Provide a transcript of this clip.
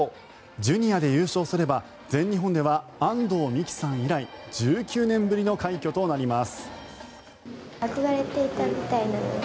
ジュニアで優勝すれば全日本では安藤美姫さん以来１９年ぶりの快挙となります。